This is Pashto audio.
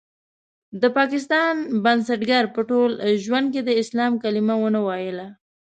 د پاکستان بنسټګر په ټول ژوند کې د اسلام کلمه ونه ويله.